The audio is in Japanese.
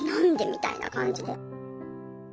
みたいな感じで。